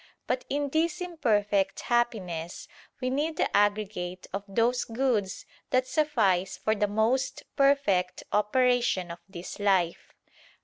But in this imperfect happiness, we need the aggregate of those goods that suffice for the most perfect operation of this life.